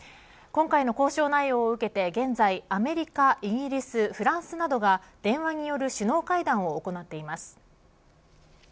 今回の交渉内容を受けて現在、アメリカイギリス、フランスなどが電話による首脳会談を行っています。